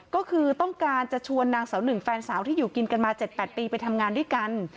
ก็คือต้องการจะชวนนางสาวหนึ่งแฟนสาวที่อยู่กินกันมา๗๘ปีไปทำงานด้วยกัน